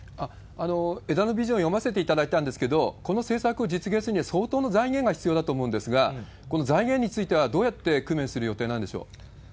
枝野ビジョン、読ませていただいたんですけれども、この政策を実現するには相当の財源が必要だと思うんですが、その財源についてはどうやって工面する予定なんでしょう？